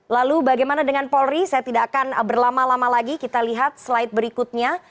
lalu bagaimana dengan polri saya tidak akan berlama lama lagi kita lihat slide berikutnya